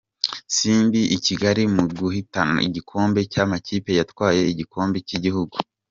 Simba i Kigali mu guhatanira igikombe cy’amakipe yatwaye igikombe cy’igihugu .